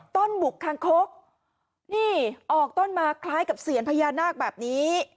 บุกคางคกนี่ออกต้นมาคล้ายกับเสียญพญานาคแบบนี้